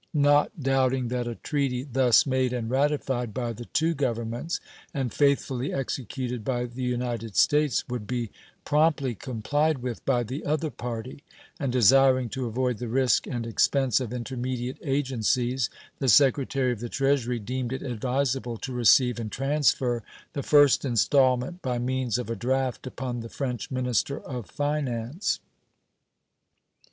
Not doubting that a treaty thus made and ratified by the two Governments, and faithfully executed by the United States, would be promptly complied with by the other party, and desiring to avoid the risk and expense of intermediate agencies, the Secretary of the Treasury deemed it advisable to receive and transfer the first installment by means of a draft upon the French minister of finance.